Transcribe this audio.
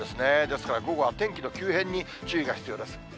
ですから、午後は天気の急変に注意が必要です。